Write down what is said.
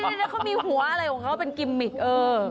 แล้วเขามีหัวอะไรของเขาเป็นกิมมิกเออ